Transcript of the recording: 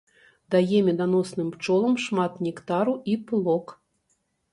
Дае меданосным пчолам шмат нектару і пылок.